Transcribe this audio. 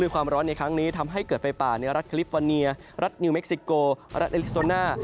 ความร้อนในครั้งนี้ทำให้เกิดไฟป่าในรัฐคลิฟฟอร์เนียรัฐนิวเค็กซิโกรัฐเอลิโซน่า